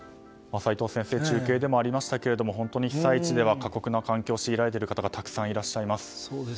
齋藤先生中継でもありましたけど本当に被災地では過酷な環境を強いられている方がたくさんいらっしゃいます。